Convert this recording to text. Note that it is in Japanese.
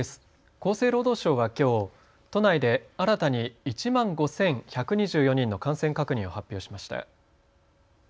厚生労働省はきょう都内で新たに１万５１２４人の感染確認を発表しました。